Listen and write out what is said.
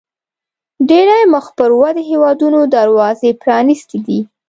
ډېری مخ پر ودې هیوادونو دروازې پرانیستې دي.